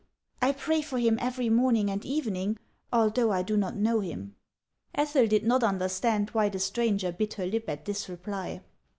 I pray for him every morning and even ing, although I do not know him." Ethel did not understand why the stranger bit her lip at this reply.